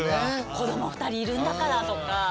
子ども２人いるんだからとか。